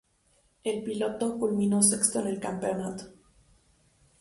El piloto culminó sexto en el campeonato.